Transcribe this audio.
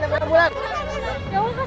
ya allah kasihan banget